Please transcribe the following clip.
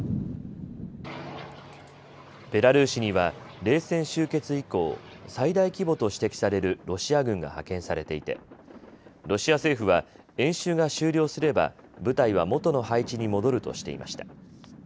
ベラルーシには冷戦終結以降最大規模と指摘されるロシア軍が派遣されていてロシア政府は演習が終了すれば部隊は元の配置に戻るとしていました。